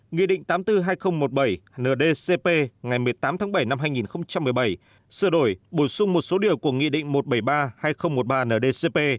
nghị định tám mươi bốn hai nghìn một mươi bảy ndcp ngày một mươi tám tháng bảy năm hai nghìn một mươi bảy sửa đổi bổ sung một số điều của nghị định một trăm bảy mươi ba hai nghìn một mươi ba ndcp